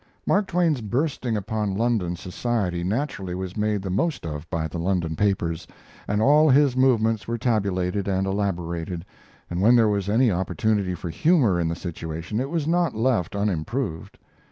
Mark Twain's bursting upon London society naturally was made the most of by the London papers, and all his movements were tabulated and elaborated, and when there was any opportunity for humor in the situation it was not left unimproved.